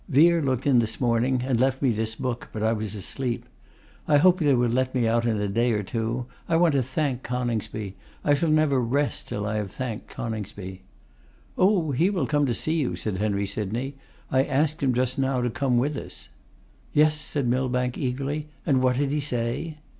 Vere looked in this morning and left me this book, but I was asleep. I hope they will let me out in a day or two. I want to thank Coningsby; I never shall rest till I have thanked Coningsby.' 'Oh, he will come to see you,' said Henry Sydney; 'I asked him just now to come with us.' 'Yes!' said Millbank, eagerly; 'and what did he say?